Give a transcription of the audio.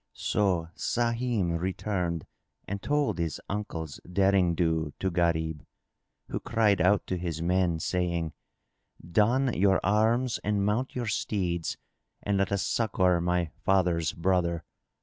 So Sahim returned and told his uncle's derring do to Gharib, who cried out to his men, saying, "Don your arms and mount your steeds and let us succour my father's brother!"